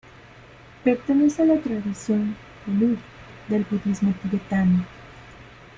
Pertenece a la tradición Gelug del budismo tibetano.